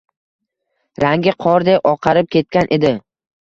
Rangi qordek oqarib ketgan edi.